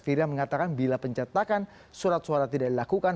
firda mengatakan bila pencetakan surat suara tidak dilakukan